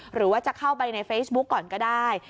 หรือว่าจะเข้าไปในเฟซบุ๊กก่อนก็ได้